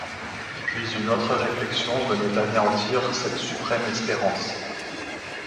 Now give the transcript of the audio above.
Puis une autre réflexion venait anéantir cette suprême espérance.